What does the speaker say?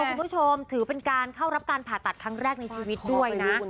คุณผู้ชมถือเป็นการเข้ารับการผ่าตัดครั้งแรกในชีวิตด้วยนะ